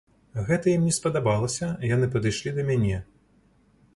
Гэта ім не спадабалася, яны падышлі да мяне.